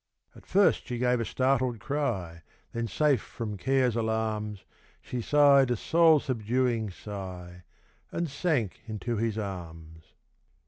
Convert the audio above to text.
At first she gave a startled cry, Then, safe from care's alarms, She sigh'd a soul subduing sigh And sank into his arms.